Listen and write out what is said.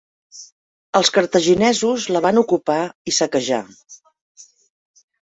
Els cartaginesos la van ocupar i saquejar.